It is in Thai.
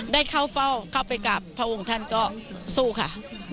ได้เข้าเฝ้าเข้าไปกราบพระองค์ท่านก็สู้ค่ะ